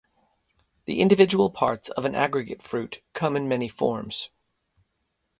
The individual parts of an aggregate fruit come in many forms.